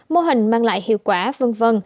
mô hình mang lại hiệu quả v v